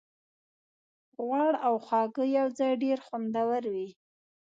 غوړ او خوږه یوځای ډېر خوندور وي.